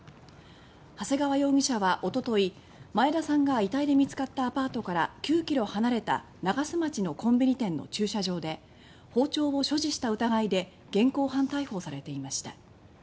長谷川容疑者はおととい前田さんが遺体で見つかったアパートから９ｋｍ離れた長洲町のコンビニ店の駐車場で包丁を所持した疑いで現行犯逮捕されていました。